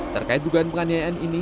terkait dugaan penganiayaan ini